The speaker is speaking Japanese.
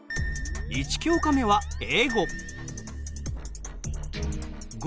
１教科目は英語。